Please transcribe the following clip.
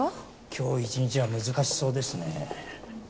今日一日は難しそうですね。